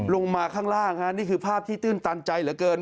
ลงมาข้างล่างนี่คือภาพที่ตื้นตันใจเหลือเกิน